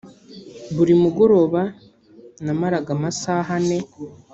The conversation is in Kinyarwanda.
buri mugoroba namaraga amasaha ane